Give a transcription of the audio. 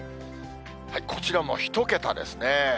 こちらも１桁ですね。